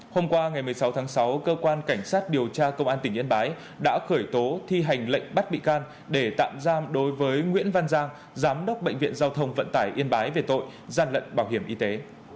hôm qua ngày một mươi sáu tháng sáu cơ quan cảnh sát điều tra công an tỉnh yên bái đã khởi tố thi hành lệnh bắt bị can để tạm giam đối với nguyễn văn giang giám đốc bệnh viện giao thông vận tải yên bái về tội gian lận bảo hiểm y tế